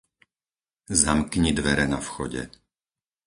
Zamkni dvere na vchode.